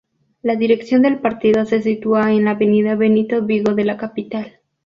La dirección del partido se sitúa en la Avenida Benito Vigo de la capital.